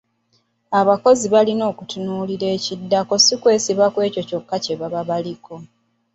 Abakozi balina okutunuulira ekiddako si kwesiba ku kyokka kye baliko.